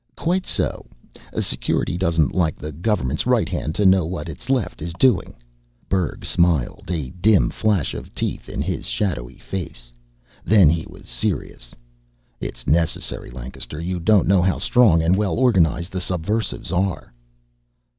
"Quite so. Security doesn't like the government's right hand to know what its left is doing." Berg smiled, a dim flash of teeth in his shadowy face. Then he was serious. "It's necessary, Lancaster. You don't know how strong and well organized the subversives are."